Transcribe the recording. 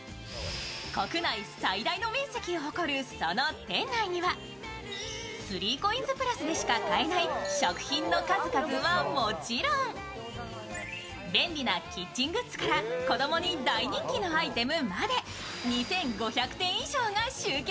国内最大の面積を誇るその店内には３ＣＯＩＮＳ＋ｐｌｕｓでしか買えない食品の数々はもちろん便利なキッチングッズから子供に大人気のアイテムまで２５００点以上が集結。